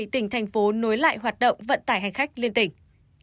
hai mươi bảy tỉnh thành phố nối lại hoạt động vận tải hành khách liên tỉnh